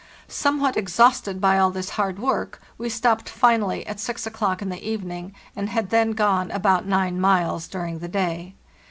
Somewhat exhausted by all this hard work, we stopped finally at 6 o'clock in the evening, and had then gone about g miles during the day.